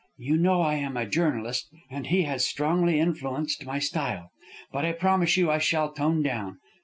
"You know I am a journalist, and he has strongly influenced my style. But I promise you I shall tone down.